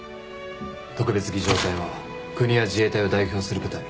特別儀仗隊は国や自衛隊を代表する部隊。